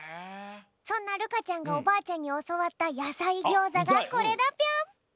そんなるかちゃんがおばあちゃんにおそわったやさいギョーザがこれだぴょん！